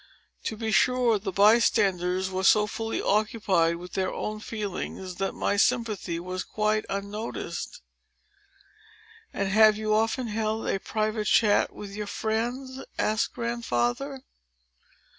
To be sure, the bystanders were so fully occupied with their own feelings, that my sympathy was quite unnoticed." "And have you often held a private chat with your friends?" asked Grandfather.